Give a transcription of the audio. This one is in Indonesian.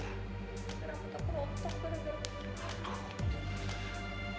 rambut aku rotot